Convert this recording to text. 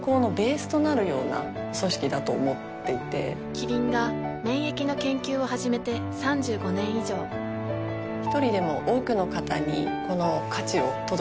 キリンが免疫の研究を始めて３５年以上一人でも多くの方にこの価値を届けていきたいと思っています。